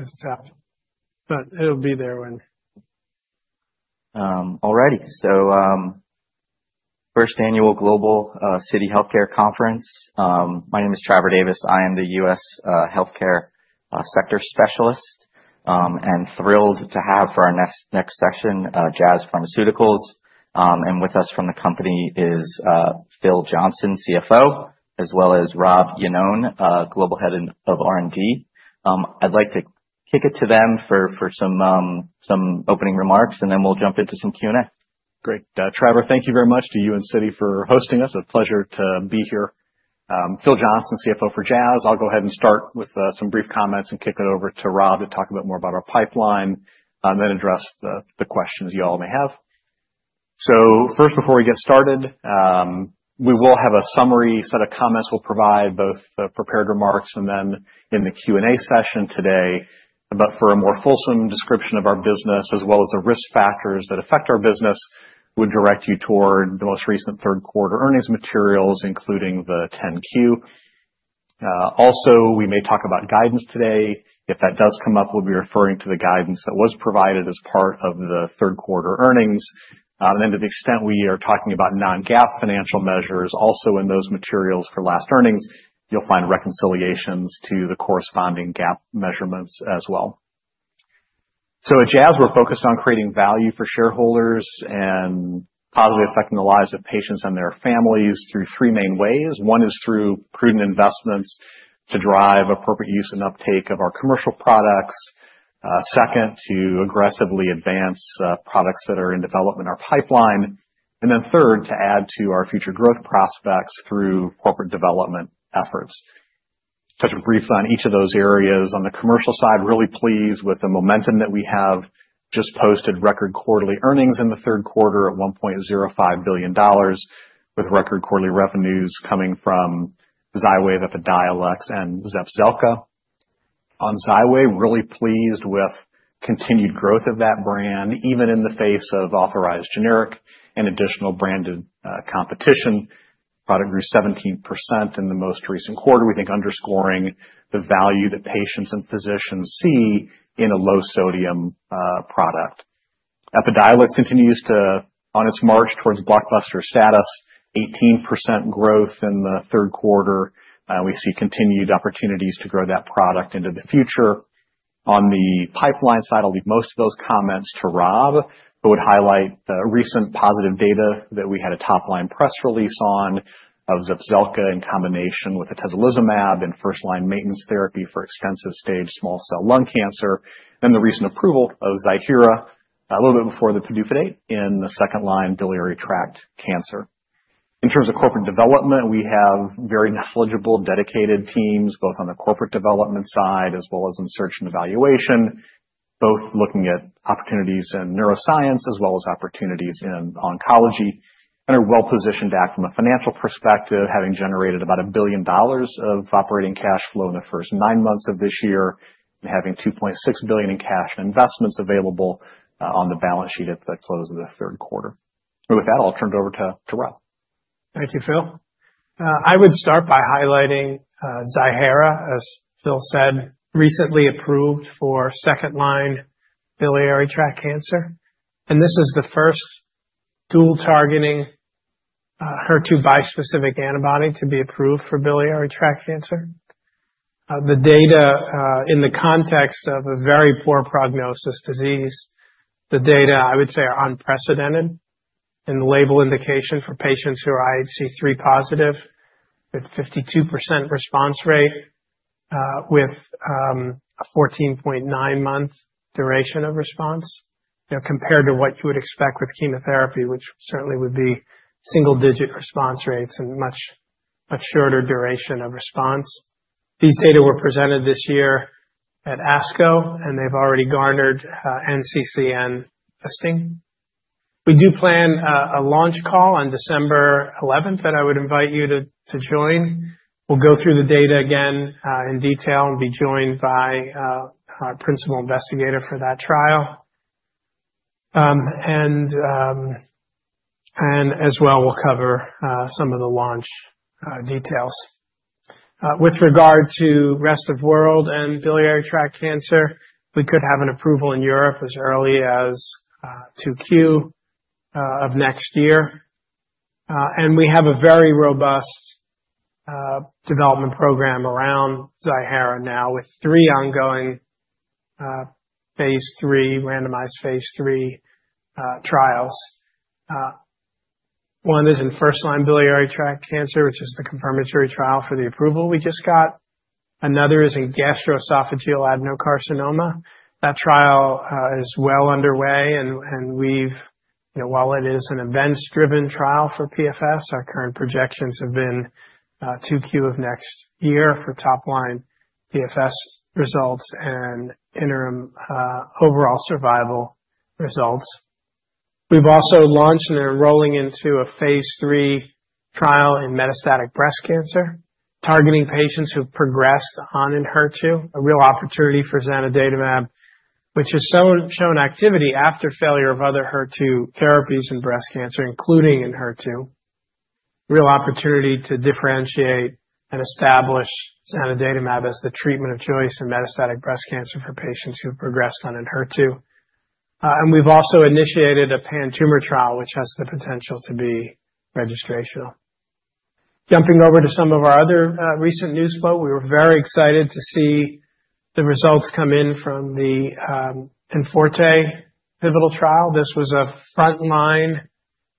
It's tough, but it'll be there when. Alrighty, so first annual Citi Global Healthcare Conference. My name is Trevor Davis. I am the U.S. healthcare sector specialist and thrilled to have for our next session Jazz Pharmaceuticals. And with us from the company is Phil Johnson, CFO, as well as Rob Iannone, Global Head of R&D. I'd like to kick it to them for some opening remarks, and then we'll jump into some Q&A. Great. Trevor, thank you very much to you and Citi for hosting us. A pleasure to be here. Phil Johnson, CFO for Jazz. I'll go ahead and start with some brief comments and kick it over to Rob to talk a bit more about our pipeline, then address the questions you all may have. So first, before we get started, we will have a summary set of comments. We'll provide both prepared remarks and then in the Q&A session today. But for a more fulsome description of our business, as well as the risk factors that affect our business, we'll direct you toward the most recent third quarter earnings materials, including the 10-Q. Also, we may talk about guidance today. If that does come up, we'll be referring to the guidance that was provided as part of the third quarter earnings. And then to the extent we are talking about non-GAAP financial measures, also in those materials for last earnings, you'll find reconciliations to the corresponding GAAP measurements as well. So at Jazz, we're focused on creating value for shareholders and positively affecting the lives of patients and their families through three main ways. One is through prudent investments to drive appropriate use and uptake of our commercial products. Second, to aggressively advance products that are in development in our pipeline. And then third, to add to our future growth prospects through corporate development efforts. Touching briefly on each of those areas. On the commercial side, really pleased with the momentum that we have. Just posted record quarterly earnings in the third quarter at $1.05 billion, with record quarterly revenues coming from Xywav, Epidiolex, and Zepzelca. On Xywav, really pleased with continued growth of that brand, even in the face of authorized generic and additional branded competition. Product grew 17% in the most recent quarter, we think underscoring the value that patients and physicians see in a low-sodium product. Epidiolex continues to, on its march towards blockbuster status, 18% growth in the third quarter. We see continued opportunities to grow that product into the future. On the pipeline side, I'll leave most of those comments to Rob, but would highlight recent positive data that we had a top-line press release on of Zepzelca in combination with Atezolizumab and first-line maintenance therapy for extensive stage small cell lung cancer. And the recent approval of Ziihera a little bit before the PDUFA date in the second-line biliary tract cancer. In terms of corporate development, we have very knowledgeable, dedicated teams both on the corporate development side as well as in search and evaluation, both looking at opportunities in neuroscience as well as opportunities in oncology and are well positioned to act from a financial perspective, having generated about $1 billion of operating cash flow in the first nine months of this year and having $2.6 billion in cash and investments available on the balance sheet at the close of the third quarter. With that, I'll turn it over to Rob. Thank you, Phil. I would start by highlighting Ziihera, as Phil said, recently approved for second-line biliary tract cancer, and this is the first dual-targeting HER2 bispecific antibody to be approved for biliary tract cancer. The data, in the context of a very poor prognosis disease, the data, I would say, are unprecedented in the label indication for patients who are IHC3 positive with a 52% response rate, with a 14.9-month duration of response, compared to what you would expect with chemotherapy, which certainly would be single-digit response rates and a much shorter duration of response. These data were presented this year at ASCO, and they've already garnered NCCN testing. We do plan a launch call on December 11th that I would invite you to join. We'll go through the data again in detail and be joined by our principal investigator for that trial. As well, we'll cover some of the launch details. With regard to rest of world and biliary tract cancer, we could have an approval in Europe as early as 2Q of next year. We have a very robust development program around Ziihera now, with three ongoing phase 3, randomized phase 3 trials. One is in first-line biliary tract cancer, which is the confirmatory trial for the approval we just got. Another is in gastroesophageal adenocarcinoma. That trial is well underway. While it is an events-driven trial for PFS, our current projections have been 2Q of next year for top-line PFS results and interim overall survival results. We've also launched and are enrolling into a phase 3 trial in metastatic breast cancer, targeting patients who have progressed on Enhertu, a real opportunity for Zanidatamab, which has shown activity after failure of other HER2 therapies in breast cancer, including Enhertu. Real opportunity to differentiate and establish Zanidatamab as the treatment of choice in metastatic breast cancer for patients who have progressed on Enhertu. And we've also initiated a pan-tumor trial, which has the potential to be registrational. Jumping over to some of our other recent news flow, we were very excited to see the results come in from the IMforte pivotal trial. This was a front-line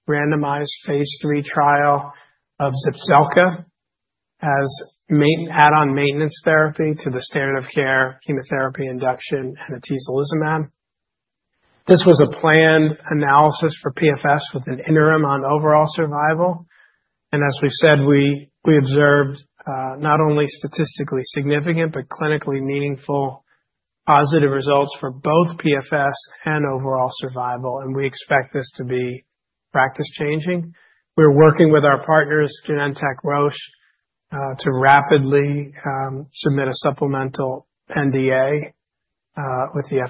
randomized phase 3 trial of Zepzelca as add-on maintenance therapy to the standard of care chemotherapy induction and Atezolizumab. This was a planned analysis for PFS with an interim on overall survival. As we've said, we observed not only statistically significant, but clinically meaningful positive results for both PFS and overall survival. We expect this to be practice-changing. We're working with our partners, Genentech, Roche, to rapidly submit a supplemental NDA with the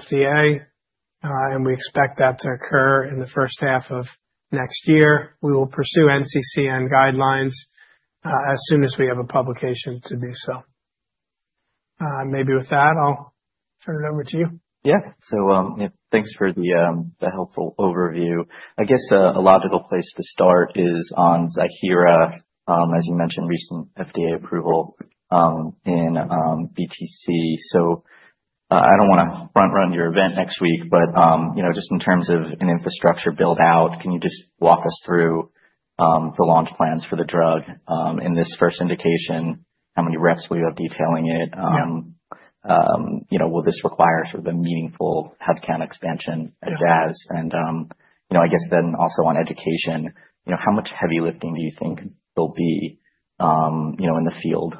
FDA. We expect that to occur in the first half of next year. We will pursue NCCN guidelines as soon as we have a publication to do so. Maybe with that, I'll turn it over to you. Yeah. So thanks for the helpful overview. I guess a logical place to start is on Ziihera, as you mentioned, recent FDA approval in BTC. So I don't want to front-run your event next week, but just in terms of an infrastructure build-out, can you just walk us through the launch plans for the drug in this first indication? How many reps will you have detailing it? Will this require sort of a meaningful headcount expansion at Jazz? And I guess then also on education, how much heavy lifting do you think there'll be in the field?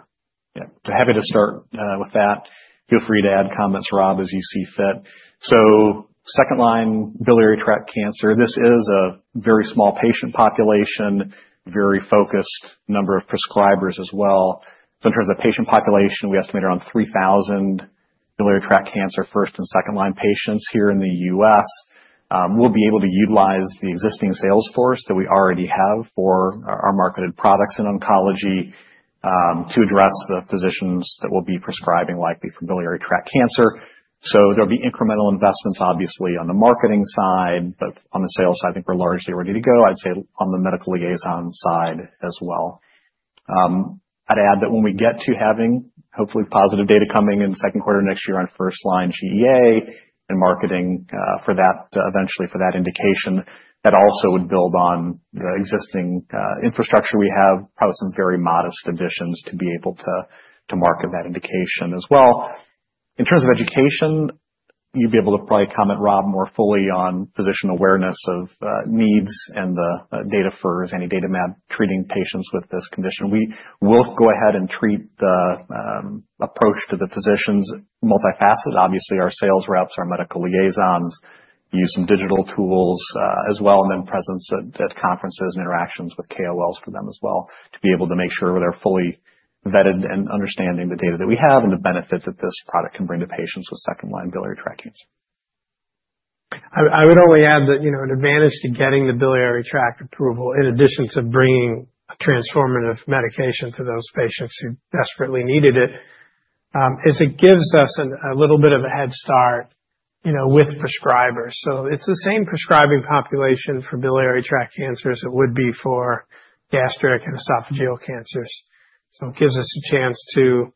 Yeah. Happy to start with that. Feel free to add comments, Rob, as you see fit. So second-line biliary tract cancer, this is a very small patient population, very focused number of prescribers as well. So in terms of patient population, we estimate around 3,000 biliary tract cancer first and second-line patients here in the U.S. We'll be able to utilize the existing sales force that we already have for our marketed products in oncology to address the physicians that will be prescribing likely for biliary tract cancer. So there'll be incremental investments, obviously, on the marketing side, but on the sales side, I think we're largely ready to go. I'd say on the medical liaison side as well. I'd add that when we get to having hopefully positive data coming in the second quarter of next year on first-line GEA and marketing for that eventually for that indication, that also would build on the existing infrastructure we have, probably some very modest additions to be able to market that indication as well. In terms of education, you'd be able to probably comment, Rob, more fully on physician awareness of needs and the data for Zanidatamab treating patients with this condition. We will go ahead and treat the approach to the physicians multifaceted. Obviously, our sales reps, our medical liaisons use some digital tools as well, and then presence at conferences and interactions with KOLs for them as well to be able to make sure they're fully vetted and understanding the data that we have and the benefit that this product can bring to patients with second-line biliary tract cancer. I would only add that an advantage to getting the biliary tract approval, in addition to bringing a transformative medication to those patients who desperately needed it, is it gives us a little bit of a head start with prescribers, so it's the same prescribing population for biliary tract cancers it would be for gastric and esophageal cancers. So it gives us a chance to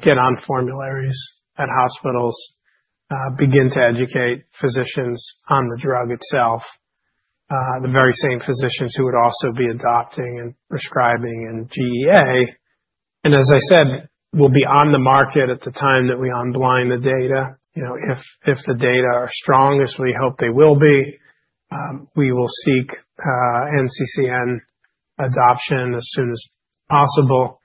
get on formularies at hospitals, begin to educate physicians on the drug itself, the very same physicians who would also be adopting and prescribing in GEA, and as I said, we'll be on the market at the time that we unblind the data. If the data are strong, as we hope they will be, we will seek NCCN adoption as soon as possible,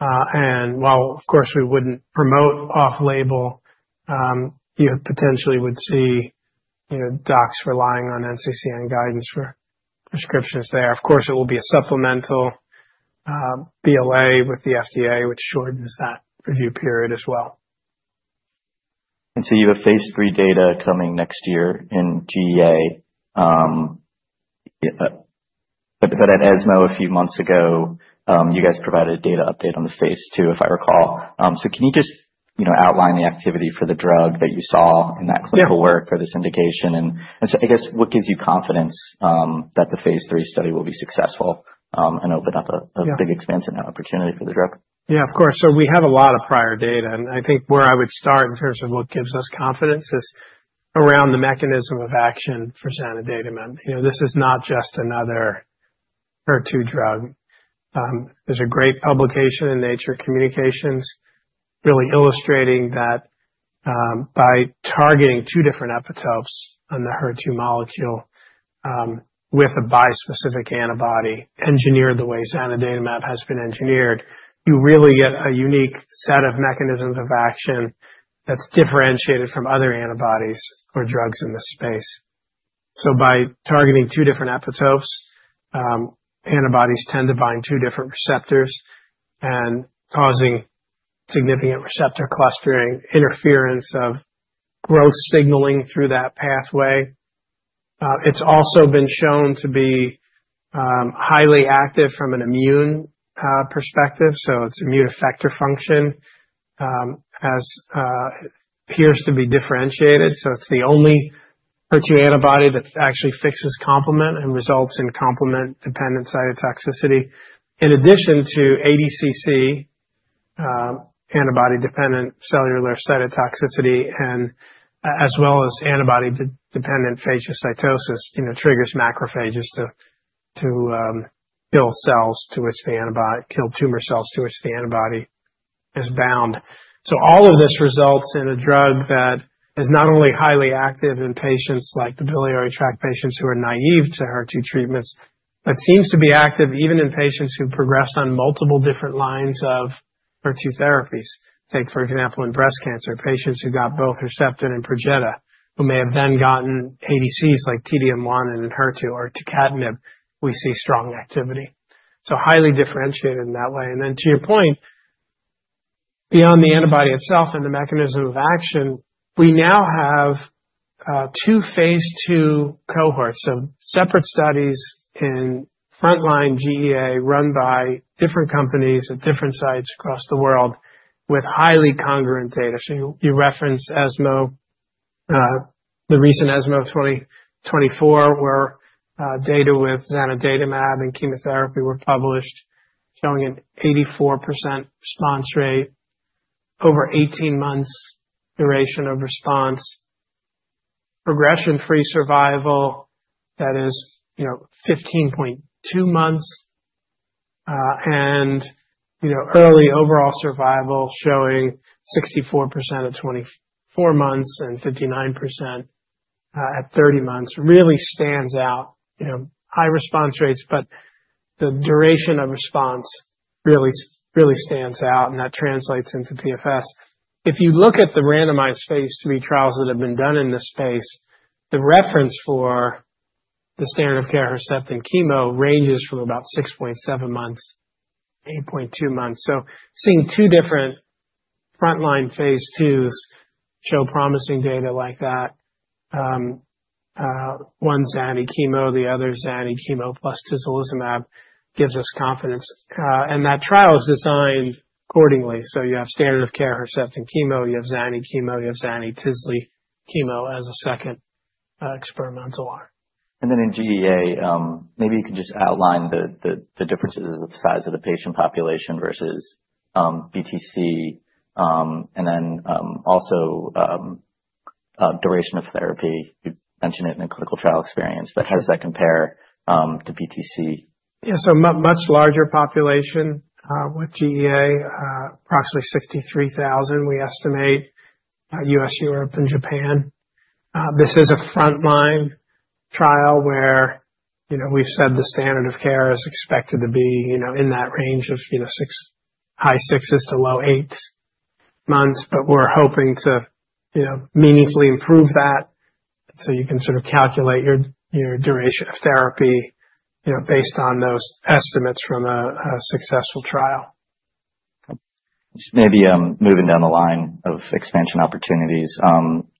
and while, of course, we wouldn't promote off-label, you potentially would see docs relying on NCCN guidance for prescriptions there. Of course, it will be a supplemental BLA with the FDA, which shortens that review period as well. And so you have phase three data coming next year in GEA. But at ESMO a few months ago, you guys provided a data update on the phase two, if I recall. So can you just outline the activity for the drug that you saw in that clinical work for this indication? And I guess what gives you confidence that the phase three study will be successful and open up a big expansion opportunity for the drug? Yeah, of course. So we have a lot of prior data. And I think where I would start in terms of what gives us confidence is around the mechanism of action for Zanidatamab. This is not just another HER2 drug. There's a great publication in Nature Communications really illustrating that by targeting two different epitopes on the HER2 molecule with a bispecific antibody, engineered the way Zanidatamab has been engineered, you really get a unique set of mechanisms of action that's differentiated from other antibodies or drugs in this space. So by targeting two different epitopes, antibodies tend to bind two different receptors and causing significant receptor clustering interference of growth signaling through that pathway. It's also been shown to be highly active from an immune perspective. So its immune effector function appears to be differentiated. So it's the only HER2 antibody that actually fixes complement and results in complement-dependent cytotoxicity. In addition to ADCC, antibody-dependent cellular cytotoxicity, as well as antibody-dependent phagocytosis, triggers macrophages to kill cells to which the antibody is bound. So all of this results in a drug that is not only highly active in patients like the biliary tract patients who are naive to HER2 treatments, but seems to be active even in patients who progressed on multiple different lines of HER2 therapies. Take, for example, in breast cancer, patients who got both Herceptin and Perjeta, who may have then gotten ADCs like T-DM1 and Enhertu or Tucatinib. We see strong activity. So highly differentiated in that way. And then to your point, beyond the antibody itself and the mechanism of action, we now have two phase 2 cohorts. Separate studies in front-line GEA run by different companies at different sites across the world with highly congruent data. You reference ESMO, the recent ESMO 2024, where data with zanidatamab and chemotherapy were published showing an 84% response rate, over 18 months' duration of response, progression-free survival that is 15.2 months, and early overall survival showing 64% at 24 months and 59% at 30 months really stands out. High response rates, but the duration of response really stands out, and that translates into PFS. If you look at the randomized phase three trials that have been done in this space, the reference for the standard of care Herceptin chemo ranges from about 6.7 months to 8.2 months. Seeing two different front-line phase twos show promising data like that, one zanidatamab chemo, the other zanidatamab chemo plus tislelizumab gives us confidence. That trial is designed accordingly. You have standard of care Herceptin chemo, you have Zanidatamab chemo, you have Zanidatamab/Tislelizumab chemo as a second experimental arm. And then in GEA, maybe you can just outline the differences as the size of the patient population versus BTC, and then also duration of therapy. You mentioned it in a clinical trial experience. How does that compare to BTC? Yeah. So much larger population with GEA, approximately 63,000, we estimate, U.S., Europe, and Japan. This is a front-line trial where we've said the standard of care is expected to be in that range of high sixes to low eights months, but we're hoping to meaningfully improve that. So you can sort of calculate your duration of therapy based on those estimates from a successful trial. Maybe moving down the line of expansion opportunities,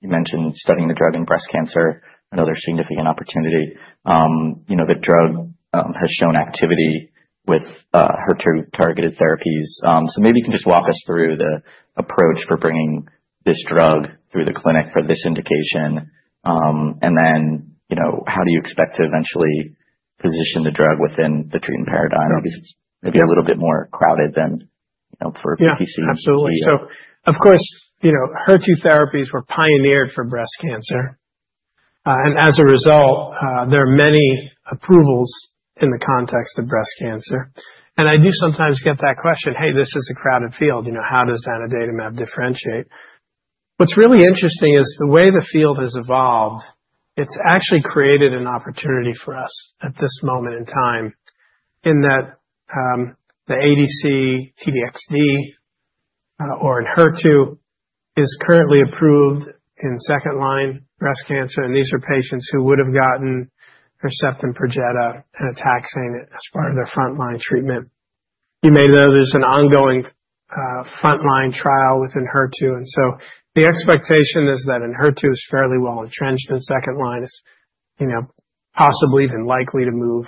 you mentioned studying the drug in breast cancer. Another significant opportunity that drug has shown activity with HER2-targeted therapies. So maybe you can just walk us through the approach for bringing this drug through the clinic for this indication. And then how do you expect to eventually position the drug within the treatment paradigm? Maybe it's a little bit more crowded than for BTC. Yeah, absolutely. So of course, HER2 therapies were pioneered for breast cancer. And as a result, there are many approvals in the context of breast cancer. And I do sometimes get that question, "Hey, this is a crowded field. How does Zanidatamab differentiate?" What's really interesting is the way the field has evolved, it's actually created an opportunity for us at this moment in time in that the ADC, T-DXd, or Enhertu is currently approved in second-line breast cancer. And these are patients who would have gotten Herceptin, Perjeta, and a taxane as part of their front-line treatment. You may know there's an ongoing front-line trial with Enhertu. And so the expectation is that Enhertu is fairly well entrenched in second line, is possibly even likely to move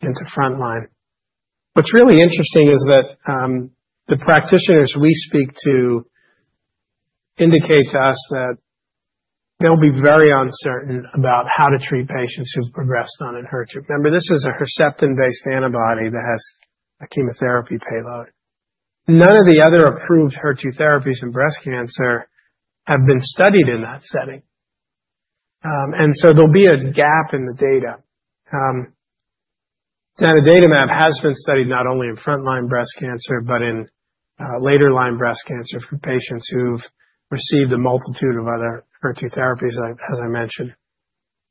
into front line. What's really interesting is that the practitioners we speak to indicate to us that they'll be very uncertain about how to treat patients who've progressed on Enhertu. Remember, this is a Herceptin-based antibody that has a chemotherapy payload. None of the other approved HER2 therapies in breast cancer have been studied in that setting, and so there'll be a gap in the data. Zanidatamab has been studied not only in front-line breast cancer, but in later-line breast cancer for patients who've received a multitude of other HER2 therapies, as I mentioned,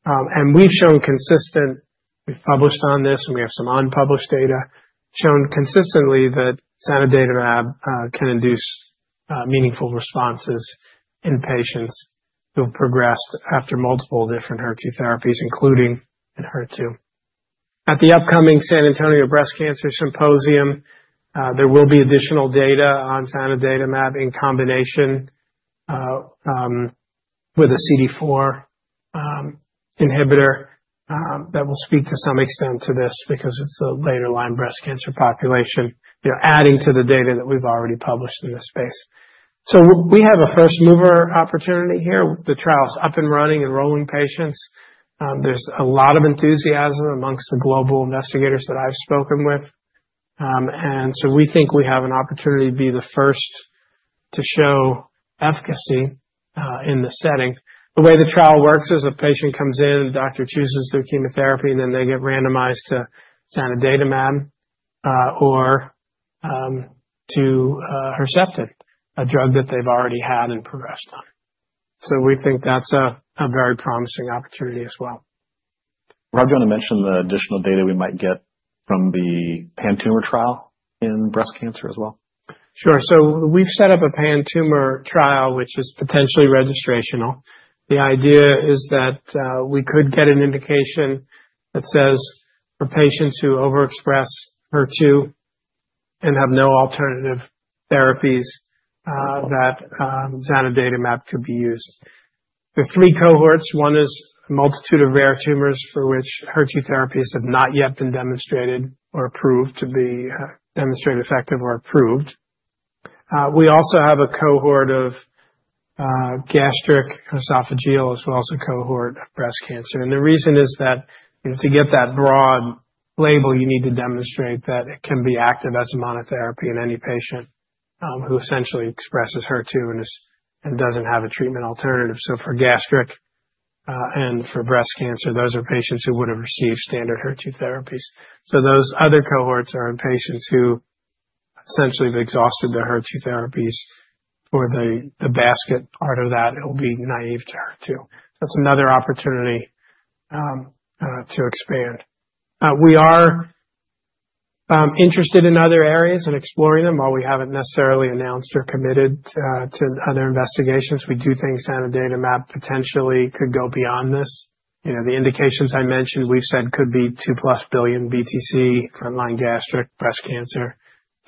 and we've shown consistent, we've published on this, and we have some unpublished data, shown consistently that Zanidatamab can induce meaningful responses in patients who have progressed after multiple different HER2 therapies, including Enhertu. At the upcoming San Antonio Breast Cancer Symposium, there will be additional data on Zanidatamab in combination with a CD4 inhibitor that will speak to some extent to this because it's a later-line breast cancer population, adding to the data that we've already published in this space. So we have a first-mover opportunity here. The trial's up and running and rolling patients. There's a lot of enthusiasm amongst the global investigators that I've spoken with. And so we think we have an opportunity to be the first to show efficacy in this setting. The way the trial works is a patient comes in, the doctor chooses their chemotherapy, and then they get randomized to Zanidatamab or to Herceptin, a drug that they've already had and progressed on. So we think that's a very promising opportunity as well. Rob, do you want to mention the additional data we might get from the PAN tumor trial in breast cancer as well? Sure. So we've set up a pan-tumor trial, which is potentially registrational. The idea is that we could get an indication that says for patients who overexpress HER2 and have no alternative therapies, that Zanidatamab could be used. There are three cohorts. One is a multitude of rare tumors for which HER2 therapies have not yet been demonstrated or proved to be demonstrated effective or approved. We also have a cohort of gastroesophageal as well as a cohort of breast cancer. And the reason is that to get that broad label, you need to demonstrate that it can be active as a monotherapy in any patient who essentially expresses HER2 and doesn't have a treatment alternative. So for gastric and for breast cancer, those are patients who would have received standard HER2 therapies. Those other cohorts are in patients who essentially have exhausted their HER2 therapies for the basket part of that. It will be naive to HER2. That's another opportunity to expand. We are interested in other areas and exploring them. While we haven't necessarily announced or committed to other investigations, we do think Zanidatamab potentially could go beyond this. The indications I mentioned, we've said could be $2+ billion BTC, front-line gastric breast cancer,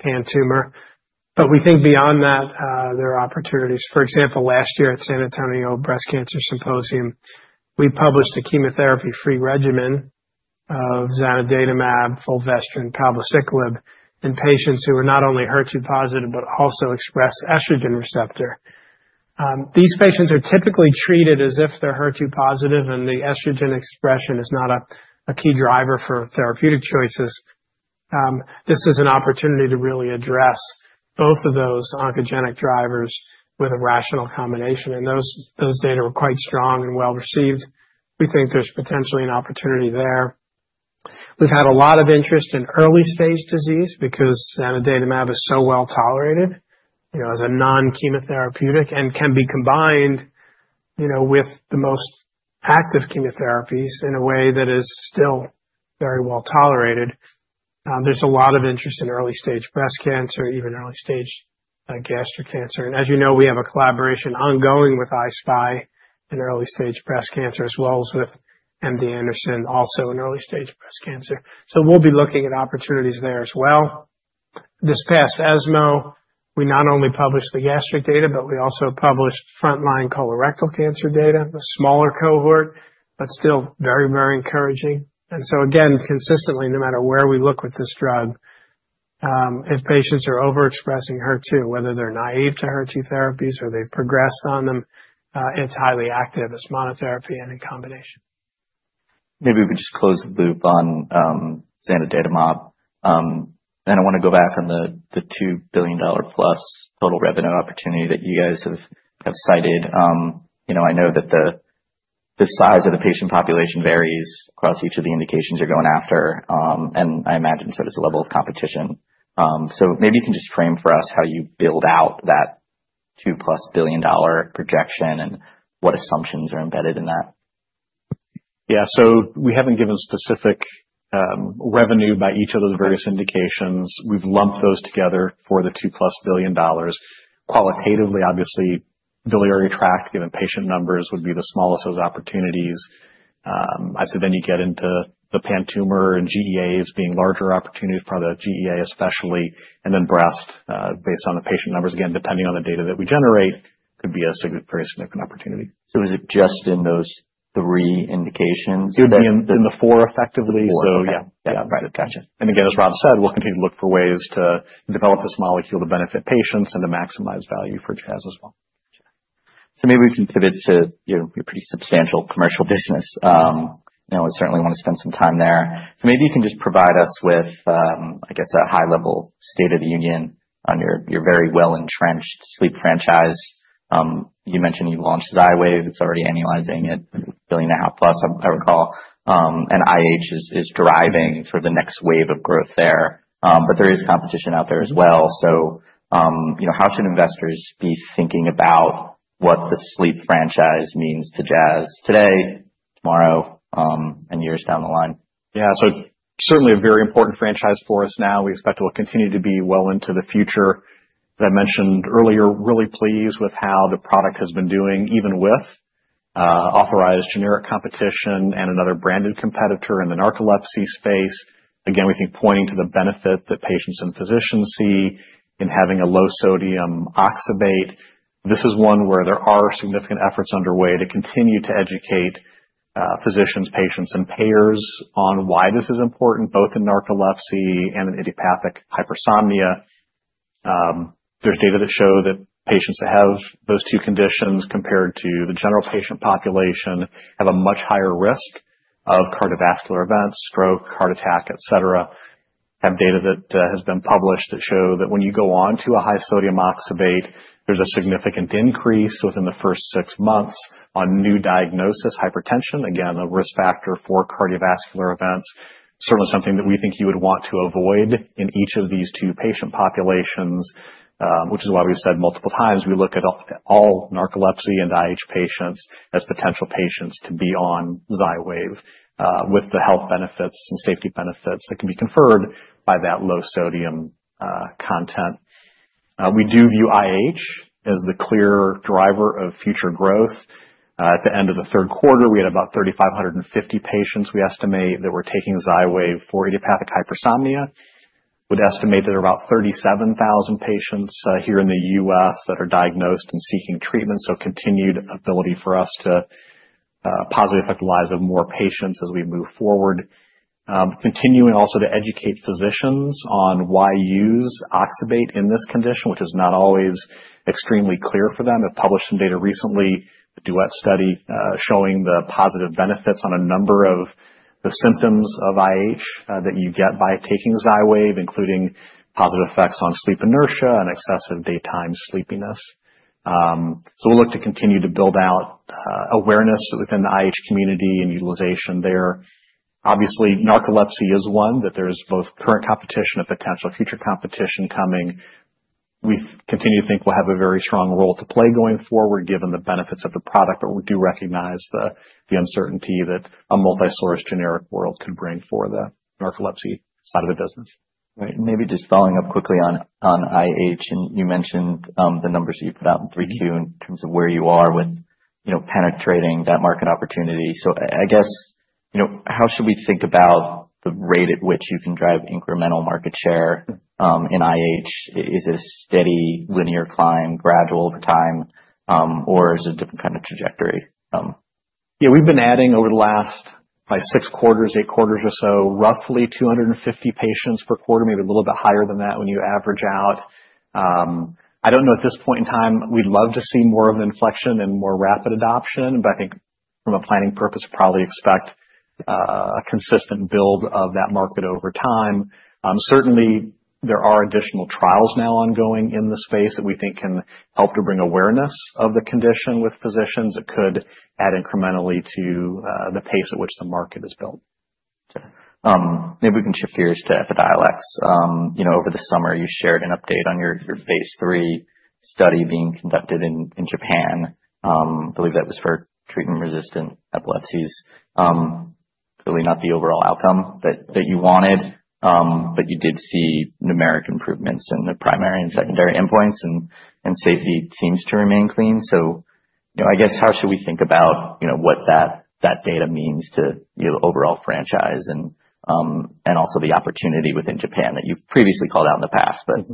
pan-tumor. But we think beyond that, there are opportunities. For example, last year at San Antonio Breast Cancer Symposium, we published a chemotherapy-free regimen of Zanidatamab, Fulvestrant, and Palbociclib in patients who are not only HER2 positive, but also expressed estrogen receptor. These patients are typically treated as if they're HER2 positive, and the estrogen expression is not a key driver for therapeutic choices. This is an opportunity to really address both of those oncogenic drivers with a rational combination. And those data were quite strong and well received. We think there's potentially an opportunity there. We've had a lot of interest in early-stage disease because Zanidatamab is so well tolerated as a non-chemotherapeutic and can be combined with the most active chemotherapies in a way that is still very well tolerated. There's a lot of interest in early-stage breast cancer, even early-stage gastric cancer. And as you know, we have a collaboration ongoing with I-SPY in early-stage breast cancer, as well as with MD Anderson, also in early-stage breast cancer. So we'll be looking at opportunities there as well. This past ESMO, we not only published the gastric data, but we also published front-line colorectal cancer data, the smaller cohort, but still very, very encouraging. Again, consistently, no matter where we look with this drug, if patients are overexpressing HER2, whether they're naive to HER2 therapies or they've progressed on them, it's highly active as monotherapy and in combination. Maybe we could just close the loop on Zanidatamab, and I want to go back on the $2 billion plus total revenue opportunity that you guys have cited. I know that the size of the patient population varies across each of the indications you're going after, and I imagine so does the level of competition, so maybe you can just frame for us how you build out that $2 billion plus projection and what assumptions are embedded in that. Yeah. So we haven't given specific revenue by each of those various indications. We've lumped those together for the $2 plus billion. Qualitatively, obviously, biliary tract, given patient numbers, would be the smallest of those opportunities. I'd say then you get into the pan-tumor and GEAs being larger opportunities, probably the GEA especially, and then breast, based on the patient numbers, again, depending on the data that we generate, could be a very significant opportunity. So is it just in those three indications? It would be in the four, effectively. Four, yeah. Yeah. Right. Gotcha. Again, as Rob said, we'll continue to look for ways to develop this molecule to benefit patients and to maximize value for Jazz as well. Gotcha. So maybe we can pivot to your pretty substantial commercial business. I certainly want to spend some time there. So maybe you can just provide us with, I guess, a high-level state of the union on your very well-entrenched sleep franchise. You mentioned you launched Xywav. It's already annualizing at $1 billion plus, I recall. And IH is driving sort of the next wave of growth there. But there is competition out there as well. So how should investors be thinking about what the sleep franchise means to Jazz today, tomorrow, and years down the line? Yeah. So certainly a very important franchise for us now. We expect it will continue to be well into the future. As I mentioned earlier, really pleased with how the product has been doing, even with authorized generic competition and another branded competitor in the narcolepsy space. Again, we think pointing to the benefit that patients and physicians see in having a low-sodium oxybate. This is one where there are significant efforts underway to continue to educate physicians, patients, and payers on why this is important, both in narcolepsy and in idiopathic hypersomnia. There's data that show that patients that have those two conditions compared to the general patient population have a much higher risk of cardiovascular events, stroke, heart attack, etc. I have data that has been published that show that when you go on to a high-sodium oxybate, there's a significant increase within the first six months on new diagnosis, hypertension, again, a risk factor for cardiovascular events. Certainly something that we think you would want to avoid in each of these two patient populations, which is why we've said multiple times we look at all narcolepsy and IH patients as potential patients to be on Xywav with the health benefits and safety benefits that can be conferred by that low-sodium content. We do view IH as the clear driver of future growth. At the end of the third quarter, we had about 3,550 patients we estimate that were taking Xywav for idiopathic hypersomnia. We'd estimate that there are about 37,000 patients here in the U.S. that are diagnosed and seeking treatment. So continued ability for us to positively affect the lives of more patients as we move forward. Continuing also to educate physicians on why use oxybate in this condition, which is not always extremely clear for them. I've published some data recently, a Duet study showing the positive benefits on a number of the symptoms of IH that you get by taking Xywav, including positive effects on sleep inertia and excessive daytime sleepiness. So we'll look to continue to build out awareness within the IH community and utilization there. Obviously, narcolepsy is one, that there is both current competition and potential future competition coming. We continue to think we'll have a very strong role to play going forward, given the benefits of the product, but we do recognize the uncertainty that a multi-source generic world could bring for the narcolepsy side of the business. Right. And maybe just following up quickly on IH, and you mentioned the numbers that you put out in 3Q in terms of where you are with penetrating that market opportunity. So I guess, how should we think about the rate at which you can drive incremental market share in IH? Is it a steady linear climb, gradual over time, or is it a different kind of trajectory? Yeah. We've been adding over the last, probably six quarters, eight quarters or so, roughly 250 patients per quarter, maybe a little bit higher than that when you average out. I don't know at this point in time. We'd love to see more of an inflection and more rapid adoption, but I think from a planning purpose, we probably expect a consistent build of that market over time. Certainly, there are additional trials now ongoing in the space that we think can help to bring awareness of the condition with physicians. It could add incrementally to the pace at which the market is built. Okay. Maybe we can shift gears to Epidiolex. Over the summer, you shared an update on your phase three study being conducted in Japan. I believe that was for treatment-resistant epilepsies. Clearly not the overall outcome that you wanted, but you did see numeric improvements in the primary and secondary endpoints, and safety seems to remain clean. So I guess, how should we think about what that data means to the overall franchise and also the opportunity within Japan that you've previously called out in the past? But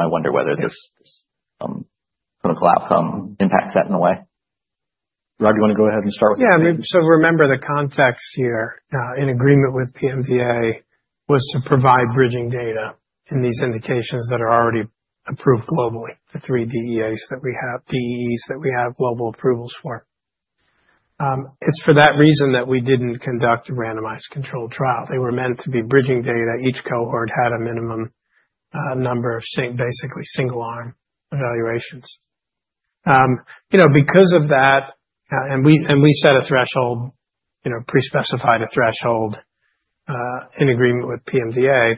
I wonder whether this clinical outcome impacts that in a way. Rob, do you want to go ahead and start with the PMDA? Yeah. So remember the context here, in agreement with PMDA, was to provide bridging data in these indications that are already approved globally, the three DEEs that we have, DEEs that we have global approvals for. It's for that reason that we didn't conduct a randomized controlled trial. They were meant to be bridging data. Each cohort had a minimum number of basically single-arm evaluations. Because of that, and we set a threshold, pre-specified a threshold in agreement with PMDA,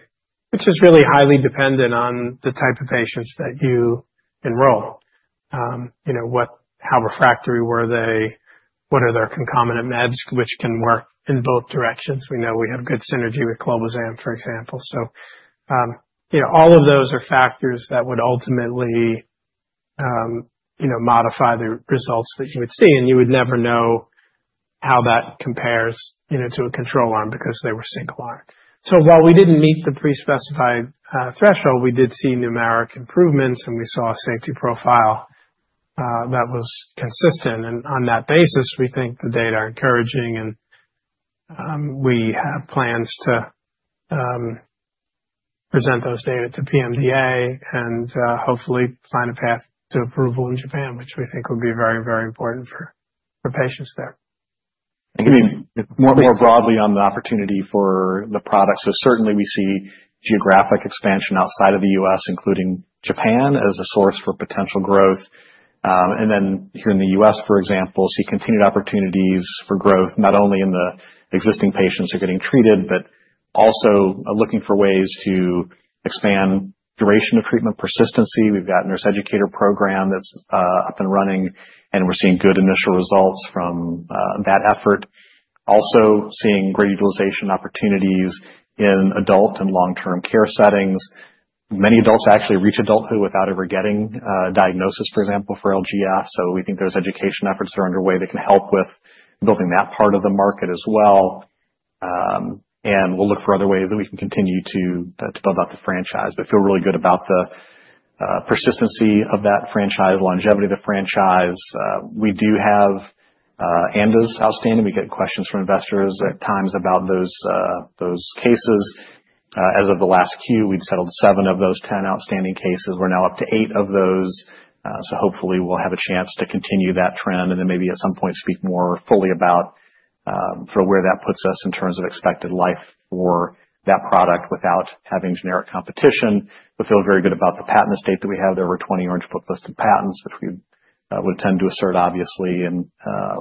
which is really highly dependent on the type of patients that you enroll. How refractory were they? What are their concomitant meds which can work in both directions? We know we have good synergy with Clobazam, for example. So all of those are factors that would ultimately modify the results that you would see. And you would never know how that compares to a control arm because they were single-arm. So while we didn't meet the pre-specified threshold, we did see numeric improvements, and we saw a safety profile that was consistent. And on that basis, we think the data are encouraging, and we have plans to present those data to PMDA and hopefully find a path to approval in Japan, which we think would be very, very important for patients there. Maybe more broadly on the opportunity for the product. Certainly, we see geographic expansion outside of the U.S., including Japan as a source for potential growth. Then here in the U.S., for example, see continued opportunities for growth, not only in the existing patients who are getting treated, but also looking for ways to expand duration of treatment, persistency. We've got a nurse educator program that's up and running, and we're seeing good initial results from that effort. Also seeing great utilization opportunities in adult and long-term care settings. Many adults actually reach adulthood without ever getting a diagnosis, for example, for LGS. We think there's education efforts that are underway that can help with building that part of the market as well. We'll look for other ways that we can continue to build out the franchise, but feel really good about the persistency of that franchise, longevity of the franchise. We do have ANDAs outstanding. We get questions from investors at times about those cases. As of the last Q, we'd settled seven of those 10 outstanding cases. We're now up to eight of those. So hopefully, we'll have a chance to continue that trend and then maybe at some point speak more fully about sort of where that puts us in terms of expected life for that product without having generic competition. We feel very good about the patent estate that we have. There were 20 Orange Book listed patents, which we would tend to assert, obviously, and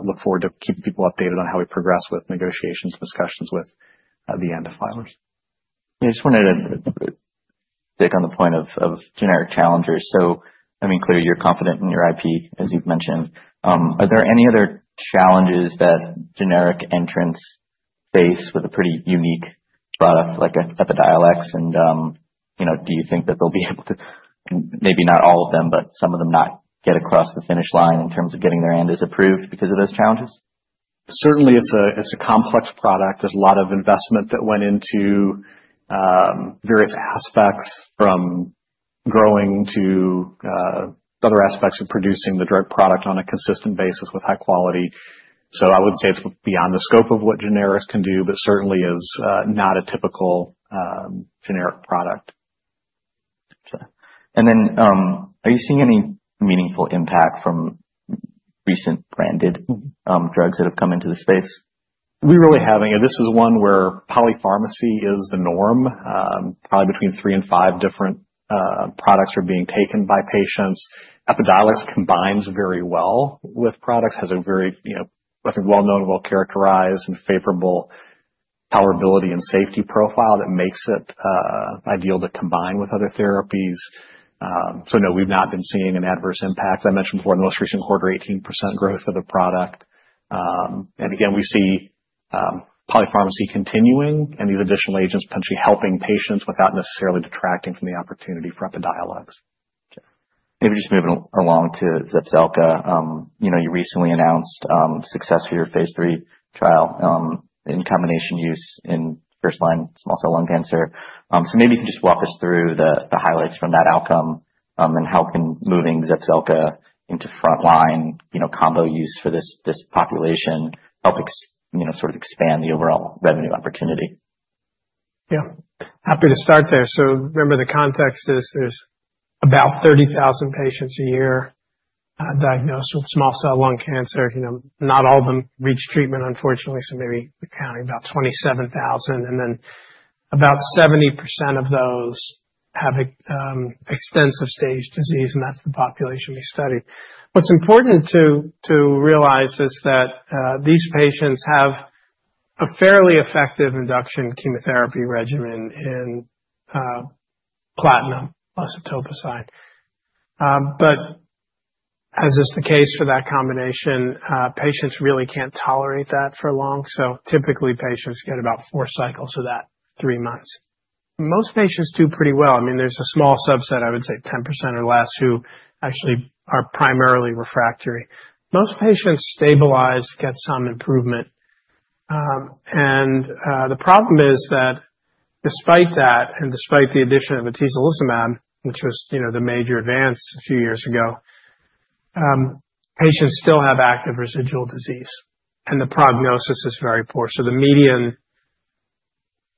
look forward to keeping people updated on how we progress with negotiations and discussions with the ANDA filers. Yeah. I just wanted to take on the point of generic challengers. So I mean, clearly, you're confident in your IP, as you've mentioned. Are there any other challenges that generic entrants face with a pretty unique product like Epidiolex? And do you think that they'll be able to, maybe not all of them, but some of them not get across the finish line in terms of getting their ANDAs approved because of those challenges? Certainly, it's a complex product. There's a lot of investment that went into various aspects from growing to other aspects of producing the drug product on a consistent basis with high quality. So I wouldn't say it's beyond the scope of what generics can do, but certainly is not a typical generic product. Gotcha. And then are you seeing any meaningful impact from recent branded drugs that have come into the space? We really haven't. This is one where polypharmacy is the norm. Probably between three and five different products are being taken by patients. Epidiolex combines very well with products, has a very, I think, well-known, well-characterized, and favorable tolerability and safety profile that makes it ideal to combine with other therapies. So no, we've not been seeing an adverse impact. As I mentioned before, in the most recent quarter, 18% growth of the product. And again, we see polypharmacy continuing and these additional agents potentially helping patients without necessarily detracting from the opportunity for Epidiolex. Okay. Maybe just moving along to Zepzelca. You recently announced success for your phase three trial in combination use in first-line small cell lung cancer. So maybe you can just walk us through the highlights from that outcome and how can moving Zepzelca into front-line combo use for this population help sort of expand the overall revenue opportunity? Yeah. Happy to start there. So remember the context is there's about 30,000 patients a year diagnosed with small cell lung cancer. Not all of them reach treatment, unfortunately. So maybe we're counting about 27,000. And then about 70% of those have extensive stage disease, and that's the population we study. What's important to realize is that these patients have a fairly effective induction chemotherapy regimen in platinum, plus etoposide. But as is the case for that combination, patients really can't tolerate that for long. So typically, patients get about four cycles of that, three months. Most patients do pretty well. I mean, there's a small subset, I would say 10% or less, who actually are primarily refractory. Most patients stabilize, get some improvement. The problem is that despite that and despite the addition of atezolizumab, which was the major advance a few years ago, patients still have active residual disease, and the prognosis is very poor. So the median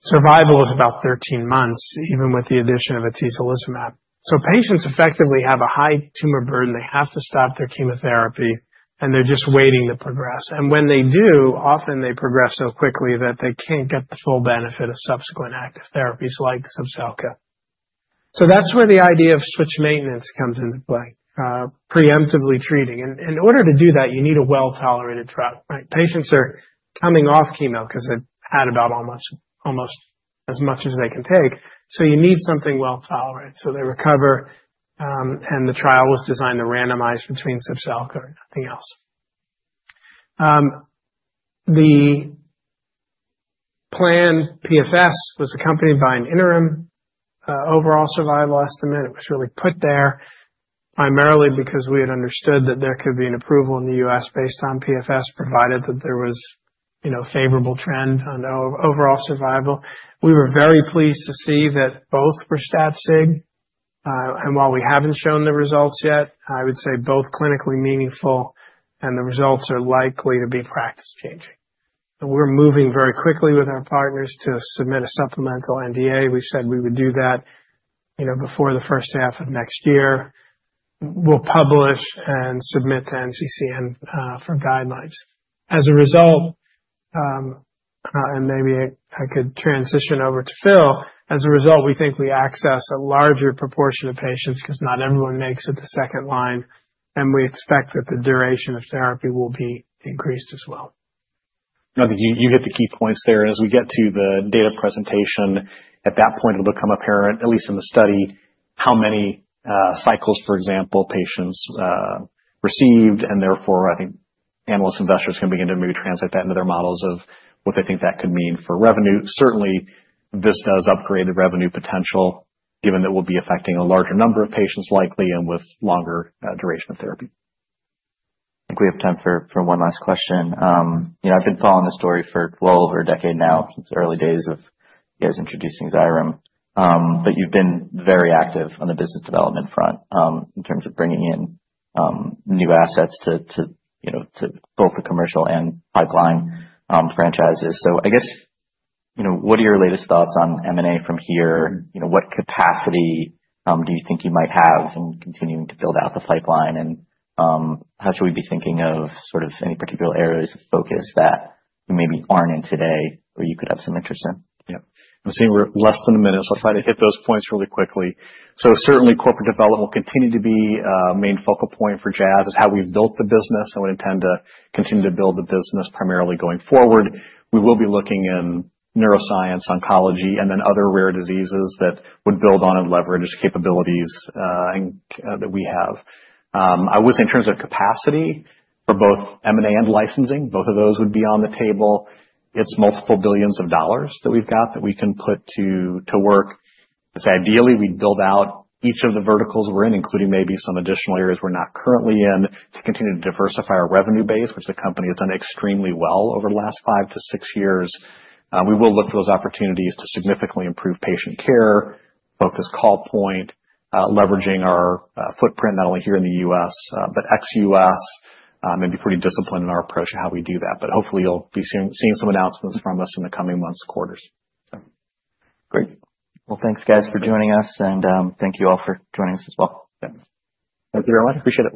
survival is about 13 months, even with the addition of atezolizumab. So patients effectively have a high tumor burden. They have to stop their chemotherapy, and they're just waiting to progress. And when they do, often they progress so quickly that they can't get the full benefit of subsequent active therapies like Zepzelca. So that's where the idea of switch maintenance comes into play, preemptively treating. And in order to do that, you need a well-tolerated drug, right? Patients are coming off chemo because they've had about almost as much as they can take. So you need something well-tolerated. They recover, and the trial was designed to randomize between Zepzelca and nothing else. The planned PFS was accompanied by an interim overall survival estimate. It was really put there primarily because we had understood that there could be an approval in the U.S. based on PFS, provided that there was a favorable trend on overall survival. We were very pleased to see that both were stat-sig. While we haven't shown the results yet, I would say both clinically meaningful, and the results are likely to be practice-changing. We're moving very quickly with our partners to submit a supplemental NDA. We've said we would do that before the first half of next year. We'll publish and submit to NCCN for guidelines. As a result, and maybe I could transition over to Phil, as a result, we think we access a larger proportion of patients because not everyone makes it to second line, and we expect that the duration of therapy will be increased as well. I think you hit the key points there. And as we get to the data presentation, at that point, it'll become apparent, at least in the study, how many cycles, for example, patients received. And therefore, I think analysts and investors can begin to maybe translate that into their models of what they think that could mean for revenue. Certainly, this does upgrade the revenue potential, given that we'll be affecting a larger number of patients likely and with longer duration of therapy. I think we have time for one last question. I've been following the story for well over a decade now, since the early days of you guys introducing Xyrem. But you've been very active on the business development front in terms of bringing in new assets to both the commercial and pipeline franchises. So I guess, what are your latest thoughts on M&A from here? What capacity do you think you might have in continuing to build out the pipeline? And how should we be thinking of sort of any particular areas of focus that maybe aren't in today or you could have some interest in? Yeah. I'm seeing we're less than a minute, so I'll try to hit those points really quickly. So certainly, corporate development will continue to be a main focal point for Jazz as how we've built the business, and we intend to continue to build the business primarily going forward. We will be looking in neuroscience, oncology, and then other rare diseases that would build on and leverage the capabilities that we have. I would say in terms of capacity for both M&A and licensing, both of those would be on the table. It's multiple billions of dollars that we've got that we can put to work. I'd say ideally, we'd build out each of the verticals we're in, including maybe some additional areas we're not currently in, to continue to diversify our revenue base, which the company has done extremely well over the last five to six years. We will look for those opportunities to significantly improve patient care, focus call point, leveraging our footprint not only here in the U.S., but ex-U.S., maybe pretty disciplined in our approach and how we do that. But hopefully, you'll be seeing some announcements from us in the coming months and quarters. Great. Well, thanks, guys, for joining us, and thank you all for joining us as well. Thank you, everyone. Appreciate it.